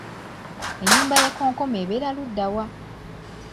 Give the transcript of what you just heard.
Ennyumba y’ekkonkome ebeera ludda wa?